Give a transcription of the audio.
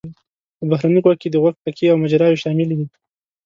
په بهرني غوږ کې د غوږ پکې او مجراوې شاملې دي.